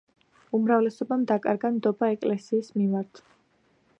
უმრავლესობამ დაკარგა ნდობა ეკლესიის მიმართ.